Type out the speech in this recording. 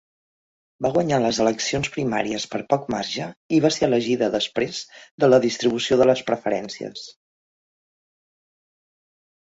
Va guanyar les eleccions primàries per poc marge i va ser elegida després de la distribució de les preferències.